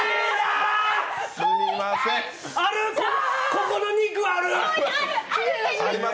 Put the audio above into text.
ここの肉、ある！？